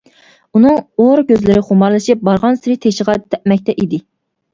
ئۇنىڭ ئورا كۆزلىرى خۇمارلىشىپ بارغانسېرى تېشىغا تەپمەكتە ئىدى.